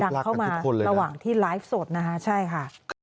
ดังเข้ามาระหว่างที่ไลฟ์สดใช่ค่ะ